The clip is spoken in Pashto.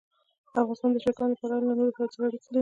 افغانستان د چرګان له پلوه له نورو هېوادونو سره اړیکې لري.